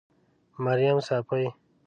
مريم صافۍ